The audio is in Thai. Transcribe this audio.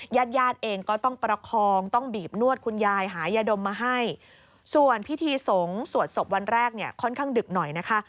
ญาติญาติเองก็ต้องประคองต้องบีบนวดคุณยายหายาดมมาให้ส่วนพิธีสงฆ์สวดศพวันแรกเนี่ยค่อนข้างดึกหน่อยนะคะ